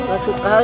neng gak suka